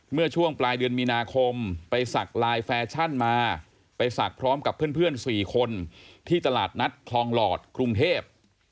เมื่อช่วงปลายเดือนมีนาคมไปสักไลน์แฟชั่นมาไปศักดิ์พร้อมกับเพื่อน๔คนที่ตลาดนัดคลองหลอดกรุงเทพ